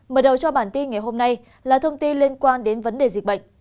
mở đầu cho bản tin ngày hôm nay là thông tin liên quan đến vấn đề dịch bệnh